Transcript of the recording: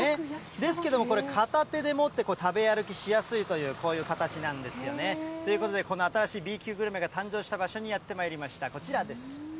ですけども、これ、片手で持って食べ歩きしやすいという、こういう形なんですよね。ということで、この新しいＢ級グルメが誕生した場所にやってまいりました、こちらです。